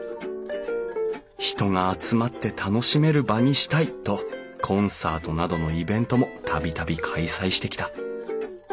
人が集まって楽しめる場にしたいとコンサートなどのイベントも度々開催してきた。